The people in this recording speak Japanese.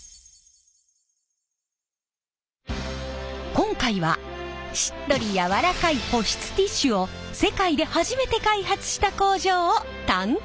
今回はしっとり柔らかい保湿ティッシュを世界で初めて開発した工場を探検！